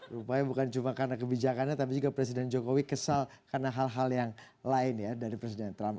rupanya bukan cuma karena kebijakannya tapi juga presiden jokowi kesal karena hal hal yang lain ya dari presiden trump